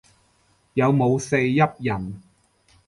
有冇四邑人